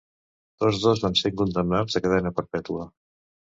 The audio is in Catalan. Tots dos van ser condemnats a cadena perpètua.